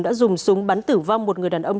đã dùng súng bắn tử vong một người đàn ông